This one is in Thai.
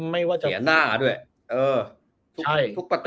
เสียหน้าด้วยทุกประตู